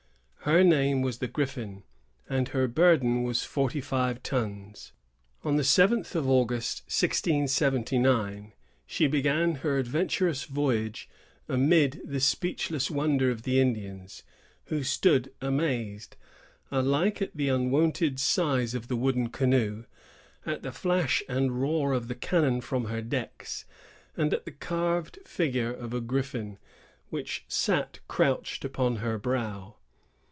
Her name was the Griffin, and her burden was forty five tons. On the seventh of August, 1679, she began her adventurous voyage amid the speechless wonder of the Indians, who stood amazed, alike at the unwonted size of the wooden canoe, at the flash and roar of the cannon from her decks, and at the carved figure of a griffin, which sat crouched upon her prow.